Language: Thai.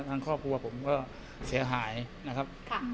ทางครอบครัวผมก็เสียหายนะครับ